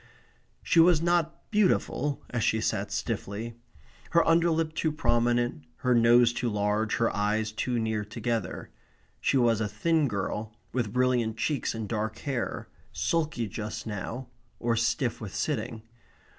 She was not beautiful, as she sat stiffly; her underlip too prominent; her nose too large; her eyes too near together. She was a thin girl, with brilliant cheeks and dark hair, sulky just now, or stiff with sitting.